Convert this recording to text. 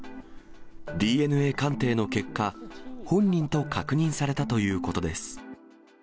ＤＮＡ鑑定の結果、本人と確認されたということです。